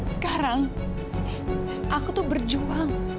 sekarang aku tuh berjuang